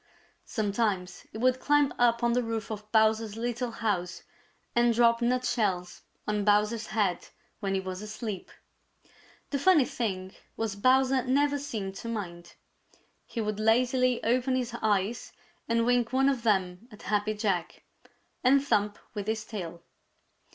Sometimes he would climb up on the roof of Bowser's little house and drop nutshells on Bowser's head when he was asleep. The funny thing was Bowser never seemed to mind. He would lazily open his eyes and wink one of them at Happy Jack and thump with his tail.